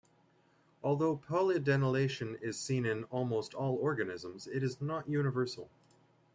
Although polyadenylation is seen in almost all organisms, it is not universal.